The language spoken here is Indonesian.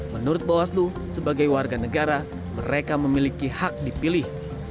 menurut bawaslu sebagai warga negara mereka memiliki hak dipilih